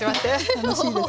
楽しいですね。